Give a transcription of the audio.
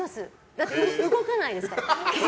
だって動かないですから。